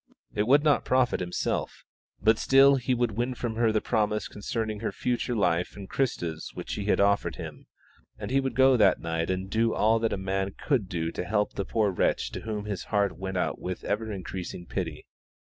It would not profit himself, but still he would win from her the promise concerning her future life and Christa's which she had offered him, and he would go that night and do all that a man could do to help the poor wretch to whom his heart went out with ever increasing pity.